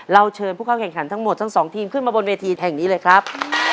เชิญผู้เข้าแข่งขันทั้งหมดทั้งสองทีมขึ้นมาบนเวทีแห่งนี้เลยครับ